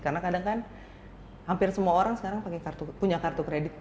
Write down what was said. karena kadang kadang hampir semua orang sekarang punya kartu kredit